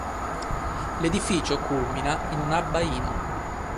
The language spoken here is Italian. L'edificio culmina in un abbaino.